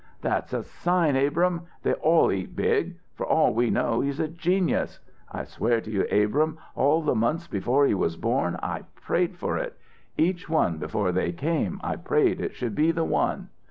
"That's a sign, Abrahm; they all eat big. For all we know he's a genius. I swear to you, Abrahm, all the months before he was born, I prayed for it. Each one before they came, I prayed it should be the one.